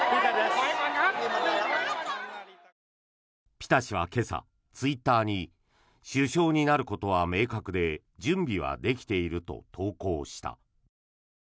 ピタ氏は今朝、ツイッターに首相になることは明確で準備はできていると投稿した。